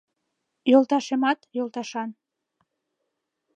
Йолташемат — йолташан.